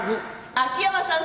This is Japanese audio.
秋山さん